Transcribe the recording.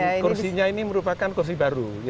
dan kursinya ini merupakan kursi baru